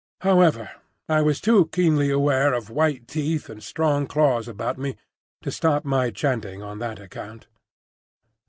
However, I was too keenly aware of white teeth and strong claws about me to stop my chanting on that account.